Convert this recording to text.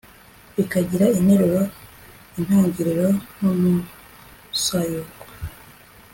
bikagira interuro (intangiriro) n'umusayuko